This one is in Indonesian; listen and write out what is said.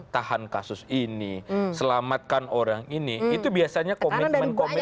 tahan kasus ini selamatkan orang ini itu biasanya komitmen komitmen